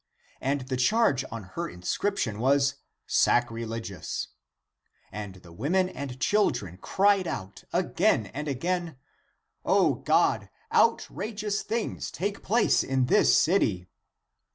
And the charge on her inscription w as " Sacrilegious." And the women and children cried out again and again,^'^ " O God,^^ outrageous things take place in this city."